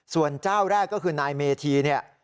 ส่วนเจ้าแรกก็คือนายเมธีเนี่ย